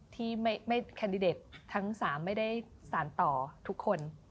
ที่ไม่แคนดิเดตทั้ง๓ไม่ได้สารต่อทุกคน